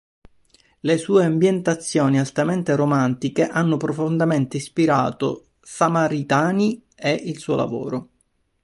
Le sue ambientazioni altamente romantiche hanno profondamente ispirato Samaritani e il suo lavoro.